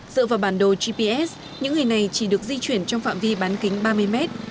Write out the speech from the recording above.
dựa vào bản đồ gps những người này chỉ được di chuyển trong phạm vi bán kính ba mươi mét